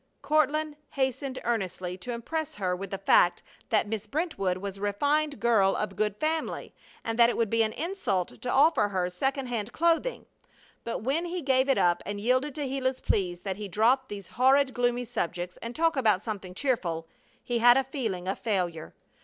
Courtland hastened earnestly to impress her with the fact that Miss Brentwood was a refined girl of good family, and that it would be an insult to offer her second hand clothing; but when he gave it up and yielded to Gila's plea that he drop these horrid, gloomy subjects and talk about something cheerful, he had a feeling of failure.